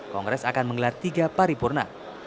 kongres akan menggelar tiga paripurna